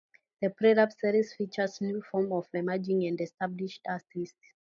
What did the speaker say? The Play Lab series features new work from emerging and established artists.